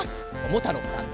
ももたろうさん